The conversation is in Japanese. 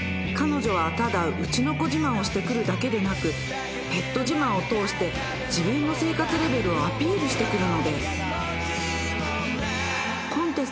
［彼女はただうちの子自慢をしてくるだけでなくペット自慢を通して自分の生活レベルをアピールしてくるのです］